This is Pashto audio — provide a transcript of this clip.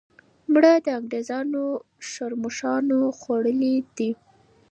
مړه انګریزان ښرموښانو خوړلي دي.